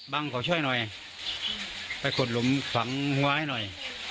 ขอช่วยหน่อยไปขุดหลุมฝังหัวให้หน่อย